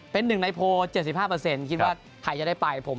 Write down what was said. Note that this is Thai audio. เป็นหนึ่งในโปร๗๕ทีมภาพที่คิดว่าไทยจะได้ไป